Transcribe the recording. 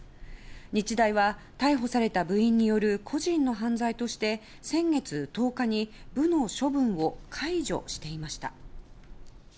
日大は逮捕された部員による個人の犯罪として先月１０日に部の処分を解除していました。